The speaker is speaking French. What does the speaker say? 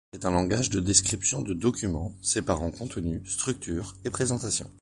C’est un langage de description de documents, séparant contenu, structure et présentation.